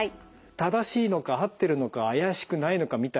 正しいのか合ってるのか怪しくないのかみたいなって